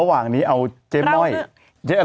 สวัสดีครับพี่นม